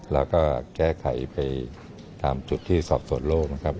แล้วก็แก้ไขไปตามจุดที่สอบส่วนโลกนะครับ